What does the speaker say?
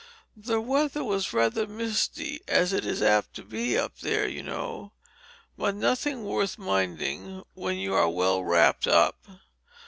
The weather was rather misty, as it is apt to be up there, you know, but nothing worth minding when you are well wrapped up.